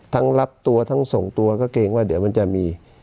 รับตัวทั้งส่งตัวก็เกรงว่าเดี๋ยวมันจะมี